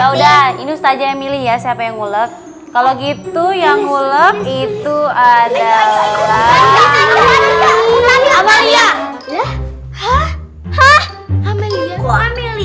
udah ini saja emilia siapa yang ngulek kalau gitu yang ngulek itu adalah